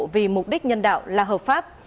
vì mục đích nhân đạo là hợp pháp